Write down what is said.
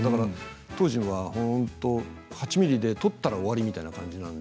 当時は８ミリで撮ったら終わりという感じで。